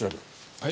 はい。